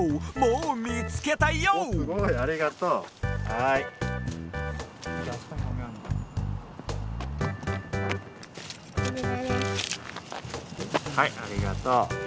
はいありがとう。